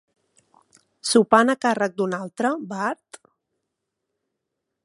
Sopant a càrrec d'un altre, Bart?